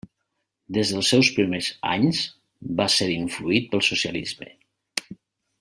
Des dels seus primers anys, va ser influït pel socialisme.